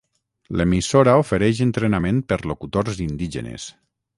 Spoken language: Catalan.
L'emissora ofereix entrenament per locutors indígenes.